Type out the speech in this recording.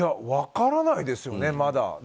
分からないですね、まだ。